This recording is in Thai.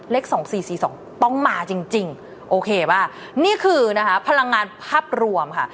๒๔๔๒ต้องมาจริงโอเคป่ะนี่คือนะคะพลังงานภาพรวมค่ะ